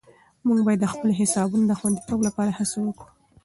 موږ باید د خپلو حسابونو د خوندیتوب لپاره هڅه وکړو.